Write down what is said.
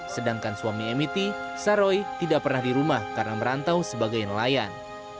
sedangkan suami mit saroy tidak pernah di rumah karena merantau sebagai nelayan